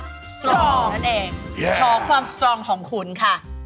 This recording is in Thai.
สตรองนั่นเองขอความสตรองของคุณค่ะ